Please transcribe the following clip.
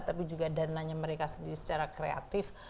tapi juga dananya mereka sendiri secara kreatif